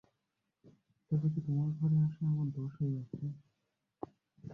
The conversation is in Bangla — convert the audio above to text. তবে কি তোমার ঘরে আসা আমার দোষ হইয়াছে।